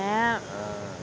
うん。